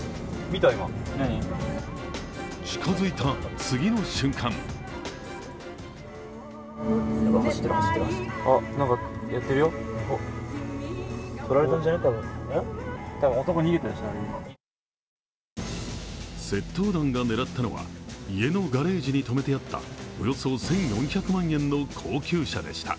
近づいた次の瞬間窃盗団が狙ったのは家のガレージに止めてあったおよそ１４００万円の高級車でした。